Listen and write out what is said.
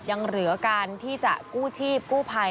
ยังเหลือการที่จะกู้ชีพกู้ภัย